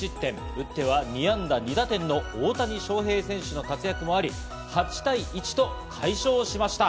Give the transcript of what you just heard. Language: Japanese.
打っては２安打２打点の大谷翔平選手の活躍もあり、８対１と快勝しました。